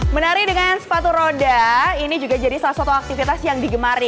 menari dengan sepatu roda ini juga jadi salah satu aktivitas yang digemari